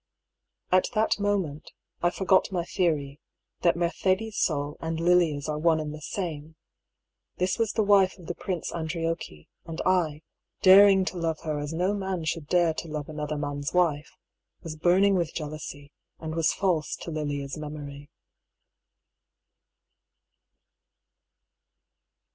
At that moment I forgot my theory, that Mercedes' soul and Lilia's are one and the same; this was the wiSe of the Prince Andriocchi, and I, daring to love her as no man should dare to love another man's wife, was burning with jealousy, and was false to Lilia's memory.